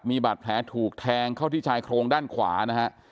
มีบาดแผลถูกแทงเข้าที่ชายโครงด้านขวานะฮะ